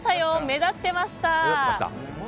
目立ってました。